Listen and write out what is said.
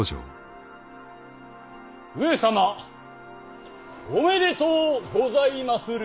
上様おめでとうございまする。